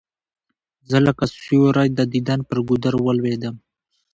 زه لکه سیوری د دیدن پر گودر ولوېدلم